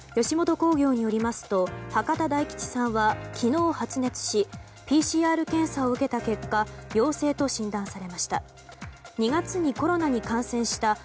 吉本興業によりますと博多大吉さんは昨日、発熱しＰＣＲ検査を受けた結果陽性と診断されました。